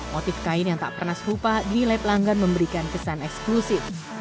motif kain yang tak pernah serupa di lab langgan memberikan kesan eksklusif